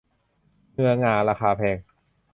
เงื้อง่าราคาแพง